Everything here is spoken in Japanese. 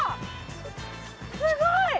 すごい！